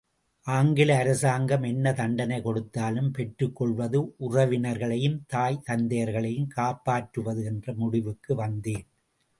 ஆங்கில அரசாங்கம் என்ன தண்டனை கொடுத்தாலும் பெற்றுக்கொள்வது, உறவினர்களையும் தாய் தந்தையர்களையும் காப்பாற்றுவது என்ற முடிவுக்கு வந்தேன்.